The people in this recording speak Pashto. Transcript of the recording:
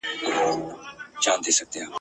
چي وژلی یې د بل لپاره قام وي !.